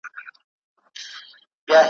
موږ که الوزو کنه خپل مو اختیار دی `